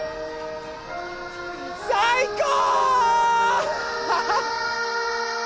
最高！